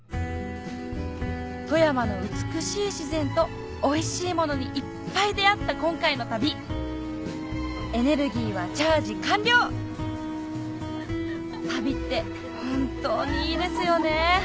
富山の美しい自然とおいしいものにいっぱい出あった今回の旅エネルギーはチャージ完了旅って本当にいいですよね